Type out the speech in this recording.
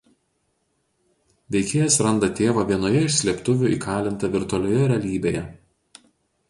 Veikėjas randa tėvą vienoje iš slėptuvių įkalintą virtualioje realybėje.